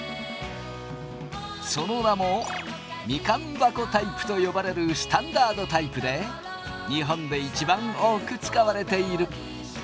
その名もみかん箱タイプと呼ばれるスタンダードタイプで日本で一番多く使われている。